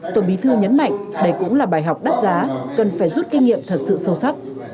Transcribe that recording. tổng bí thư nhấn mạnh đây cũng là bài học đắt giá cần phải rút kinh nghiệm thật sự sâu sắc